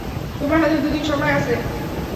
তোমার হাতে দুদিন সময় আছে।